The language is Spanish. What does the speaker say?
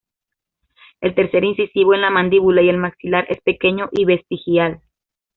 El tercer incisivo en la mandíbula y el maxilar es pequeño y vestigial.